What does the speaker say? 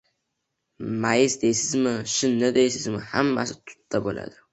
Mayiz deysizmi, shinni deysizmi, hammasi tutdan bo‘ladi.